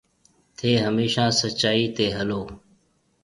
ٿَي هميشا سچائي تي هلو۔